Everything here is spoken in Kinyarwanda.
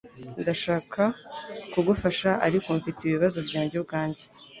Ndashaka kugufasha, ariko mfite ibibazo byanjye ubwanjye.